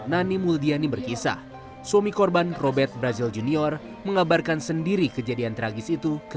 nani muldiani berkisah suami korban robert brazil junior mengabarkan sendiri kejadian tragis itu ke